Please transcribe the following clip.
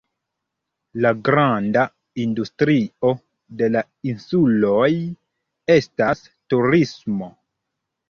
La granda industrio de la insuloj estas turismo.